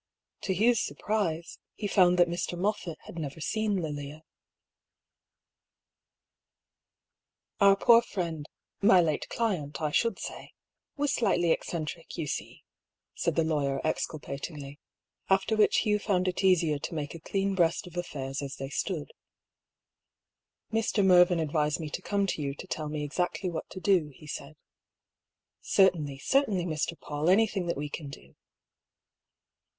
" To Hugh's surprise, he found that Mr. Moffatt had never seen Lilia. 112 DR. PAULL'S THEORY. " Our poor friend — ^my late client, I should say — was slightly eccentric, you see," said the lawyer ezculpat ingly, after which Hugh found it easier to make a clean breast of affairs as they stood. " Mr. Mervyn advised me to come to you to tell me exactly what to do," he said. " Certainly, certainly, Mr. PauU, anything that we can do."